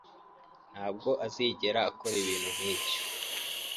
ntabwo azigera akora ibintu nkibyo.